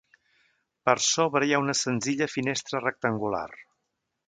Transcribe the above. Per sobre hi ha una senzilla finestra rectangular.